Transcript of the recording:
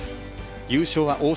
優勝は大阪。